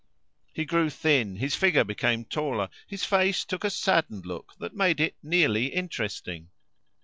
He grew thin, his figure became taller, his face took a saddened look that made it nearly interesting.